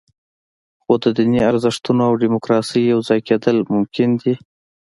خو د دیني ارزښتونو او دیموکراسۍ یوځای کېدل ممکن دي.